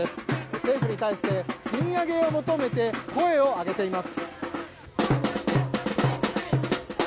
政府に対して賃上げを求めて声を上げています。